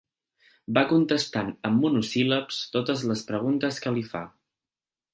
Va contestant amb monosíl·labs totes les preguntes que li fa.